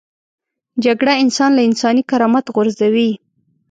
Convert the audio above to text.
جګړه انسان له انساني کرامت غورځوي